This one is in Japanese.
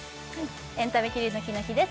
エンタメキリヌキの日です